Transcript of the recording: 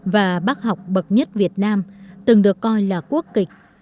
và bác học bậc nhất việt nam từng được coi là quốc kịch